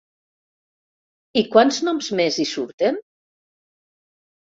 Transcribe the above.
I quants noms més hi surten?